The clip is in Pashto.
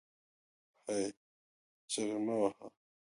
هې ! چیغې مه واهه